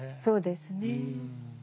そうですね。